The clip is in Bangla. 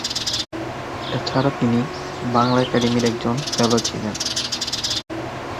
এছাড়া, তিনি বাংলা একাডেমির একজন ফেলো ছিলেন।